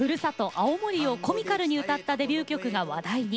青森をコミカルに歌ったデビュー曲が話題に。